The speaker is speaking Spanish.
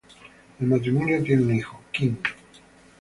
El matrimonio tiene un hijo, Kim.